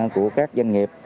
của các doanh nghiệp